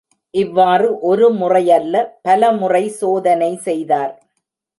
இவ்வாறு ஒரு முறையல்ல பலமுறை சோதனை செய்தார்!